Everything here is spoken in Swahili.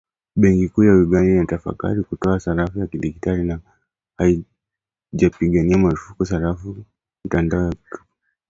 Benki kuu ya Uganda inatafakari kutoa sarafu ya kidigitali, na haijapiga marufuku sarafu ya kimtandao ya Krypto